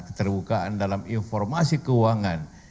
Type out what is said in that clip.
keterbukaan dalam informasi keuangan